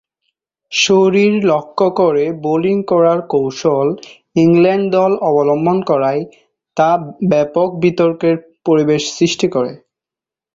শরীর লক্ষ্য করে বোলিং করার কৌশল ইংল্যান্ড দল অবলম্বন করায় তা ব্যাপক বিতর্কের পরিবেশ সৃষ্টি করে।